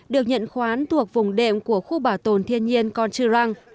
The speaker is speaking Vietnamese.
được nhận khoán thuộc vùng đệm của khu bảo tồn thiên nhiên con trư răng